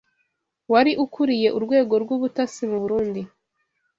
wari ukuriye urwego rw’ubutasi mu Burundi